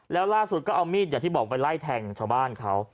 แล้วล่าสุดก็เอามีดอย่างที่บอกไปไล่แทงชาวบ้านเขา